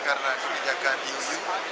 karena kebijakan di eu